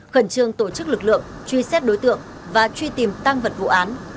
khẩn trương tổ chức lực lượng truy xét đối tượng và truy tìm tăng vật vụ án